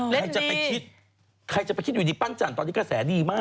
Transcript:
เล่นดีบ๊วยบ๊วยใครจะไปคิดอยู่ดีปั้นจันตอนนี้กระแสดีมาก